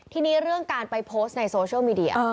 ทีนี้เรื่องการไปโพสต์ในโซเชียลมีเดีย